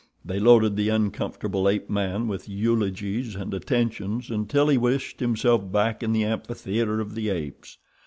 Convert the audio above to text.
They loaded the uncomfortable ape man with eulogies and attentions until he wished himself back in the amphitheater of the apes.